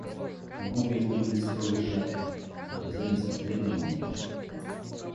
Губы его были строго сжаты, и глаза не смотрели на нее.